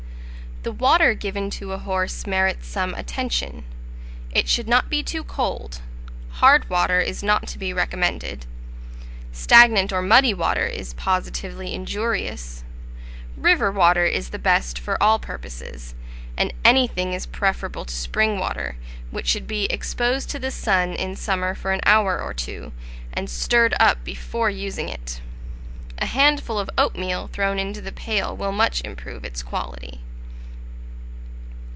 The water given to a horse merits some attention; it should not be too cold; hard water is not to be recommended; stagnant or muddy water is positively injurious; river water is the best for all purposes; and anything is preferable to spring water, which should be exposed to the sun in summer for an hour or two, and stirred up before using it; a handful of oatmeal thrown into the pail will much improve its quality.